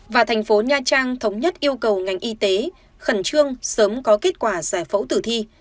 và thành phố nha trang thống nhất yêu cầu ngành y tế khẩn trương sớm có kết quả giải phẫu tử thi